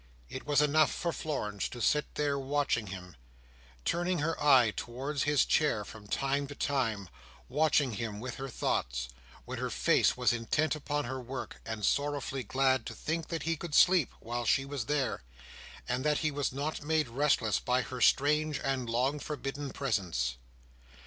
It was enough for Florence to sit there watching him; turning her eyes towards his chair from time to time; watching him with her thoughts, when her face was intent upon her work; and sorrowfully glad to think that he could sleep, while she was there, and that he was not made restless by her strange and long forbidden presence.